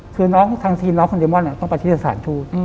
คือน้องทางทีมน้องคุณเดมอนต้องไปที่สถานทูต